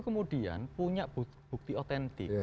kemudian punya bukti otentik